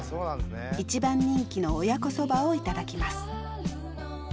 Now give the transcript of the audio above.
一番人気の親子そばを頂きます。